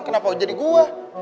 kenapa jadi gue